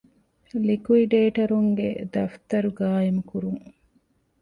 ލިކުއިޑޭޓަރުންގެ ދަފްތަރު ޤާއިމުކުރުން